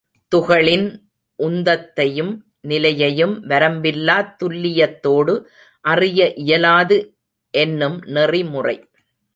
துகளின் உந்தத்தையும் நிலையையும் வரம்பிலாத் துல்லியத்தோடு அறிய இயலாது என்னும் நெறிமுறை.